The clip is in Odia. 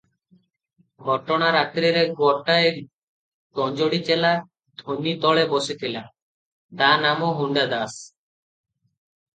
ଘଟଣା ରାତ୍ରିରେ ଗୋଟାଏ ଗଞ୍ଜୋଡ଼ି ଚେଲା ଧୂନି ତଳେ ବସିଥିଲା, ତା ନାମ ହୁଣ୍ଡା ଦାସ ।